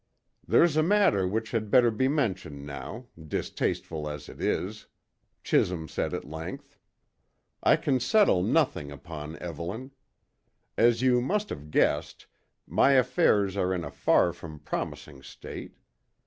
"There's a matter which had better be mentioned now, distasteful as it is," Chisholm said at length. "I can settle nothing upon Evelyn. As you must have guessed, my affairs are in a far from promising state.